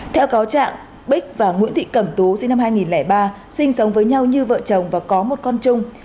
theo cáo trạng bích và nguyễn thị cẩm tú sinh năm hai nghìn ba sinh sống với nhau như vợ chồng và có một con chung